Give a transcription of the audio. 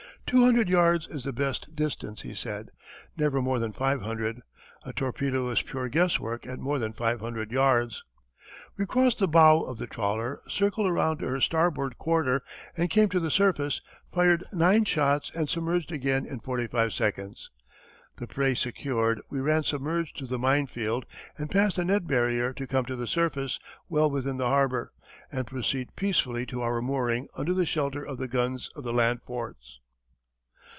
"Two hundred yards is the best distance," he said. "Never more than five hundred. A torpedo is pure guesswork at more than five hundred yards." We crossed the bow of the trawler, circled around to her starboard quarter and came to the surface, fired nine shots and submerged again in forty five seconds. The prey secured, we ran submerged through the mine field and past the net barrier to come to the surface well within the harbour and proceed peacefully to our mooring under the shelter of the guns of the land forts.